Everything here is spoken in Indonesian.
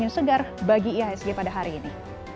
yang segar bagi ihsg pada hari ini